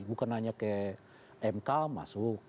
bukan hanya ke mk masuk